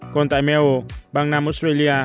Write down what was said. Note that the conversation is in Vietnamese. còn tại mayo bang nam australia